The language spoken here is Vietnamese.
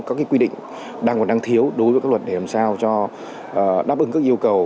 các quy định đang còn đang thiếu đối với các luật để làm sao cho đáp ứng các yêu cầu